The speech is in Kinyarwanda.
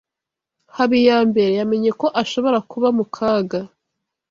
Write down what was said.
Habiyambere yamenye ko ashobora kuba mu kaga.